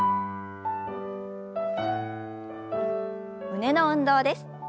胸の運動です。